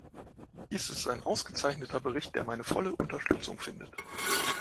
Dies ist ein ausgezeichneter Bericht, der meine volle Unterstützung findet.